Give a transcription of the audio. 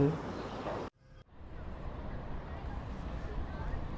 em nghĩ là